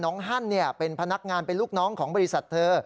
ฮั่นเป็นพนักงานเป็นลูกน้องของบริษัทเธอ